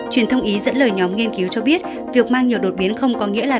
truyền thông ý dẫn lời nhóm nghiên cứu cho biết việc mang nhiều đột biến không có nghĩa là